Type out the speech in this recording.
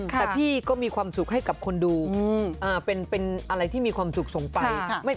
แต่พี่ก็มีความสุขให้กับคนดูเป็นอะไรที่มีความสุขส่งไป